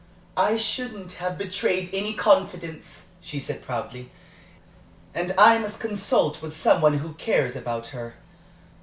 "I shouldn't have betrayed any confidence," she said, proudly. "And I must consult with some one who cares about her. Dr.